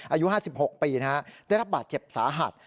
อายุ๕๖ปีได้รับบาดเจ็บสาหัส